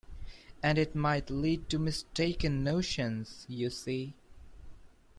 And it might lead to mistaken notions, you see.